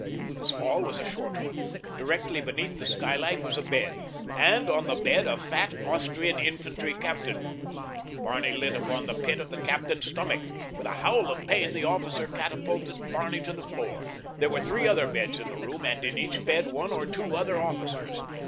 His fall was a short one. Directly beneath the skylight was a bed, and on the bed a fat Austrian infantry captain. Barney lit upon the pit of the captain's stomach. With a howl of pain the officer catapulted Barney to the floor. There were three other beds in the room, and in each bed one or two other officers.